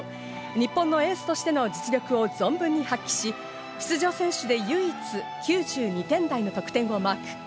日本のエースとしての実力を存分に発揮し、出場選手で唯一９２点台の得点をマーク。